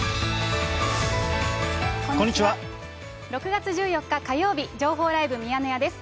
６月１４日火曜日、情報ライブミヤネ屋です。